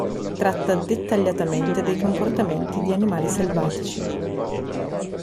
Tratta dettagliatamente dei comportamenti di animali selvatici.